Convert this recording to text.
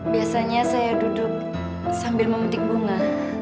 biasanya saya duduk sambil memetik bunga